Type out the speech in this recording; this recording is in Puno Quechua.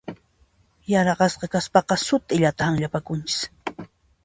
Yaraqasqa kaspaqa sut'illata hanllapakunchis.